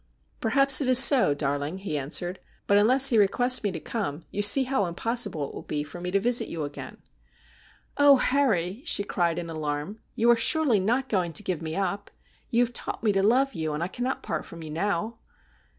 ' Perhaps it is so, darling,' he answered ;' but unless he requests me to come you see how impossible it will be for me to visit you again.' ' Oh, Harry,' she cried in alarm, ' you are surely not going to give me up ? You have taught me to love you, and I can not part from you now.'